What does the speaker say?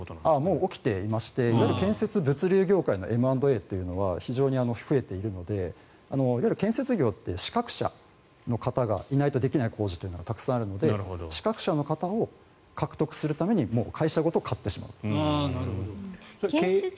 もう起きていまして建設・物流業界のＭ＆Ａは非常に増えているので建設業って資格者の方がいないとできない工事っていうのがたくさんあるので資格者の方を獲得するために会社ごと買ってしまう。